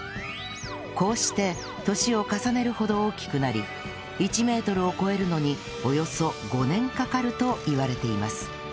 こうして年を重ねるほど大きくなり１メートルを超えるのにおよそ５年かかるといわれています